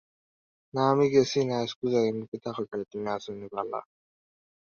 নৃত্য প্রায়ই আধুনিক আমলে একটি প্লাস্টিকের শিল্প হিসেবে উল্লেখ করা হয়েছে।